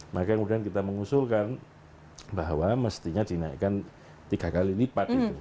maka kemudian kita mengusulkan bahwa mestinya dinaikkan tiga kali lipat itu